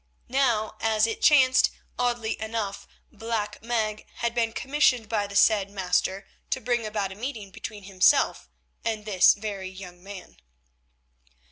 Now, as it chanced, oddly enough Black Meg had been commissioned by the said Master to bring about a meeting between himself and this very young man.